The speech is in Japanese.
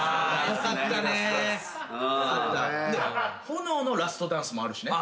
『炎のラストダンス』もあるしね。